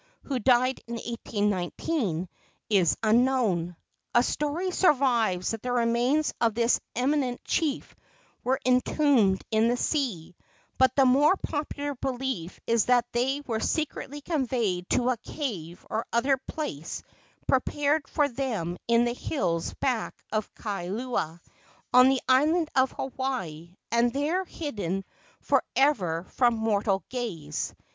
who died in 1819, is unknown. A story survives that the remains of this eminent chief were entombed in the sea, but the more popular belief is that they were secretly conveyed to a cave or other place prepared for them in the hills back of Kailua, on the island of Hawaii, and there hidden for ever from mortal gaze.